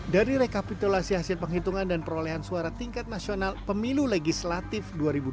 dari rekapitulasi hasil penghitungan dan perolehan suara tingkat nasional pemilu legislatif dua ribu dua puluh empat